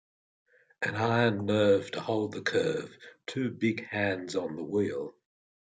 An iron nerve to hold the curve, two big hands on the wheel.